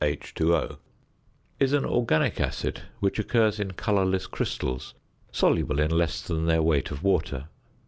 H_O) is an organic acid which occurs in colourless crystals, soluble in less than their weight of water.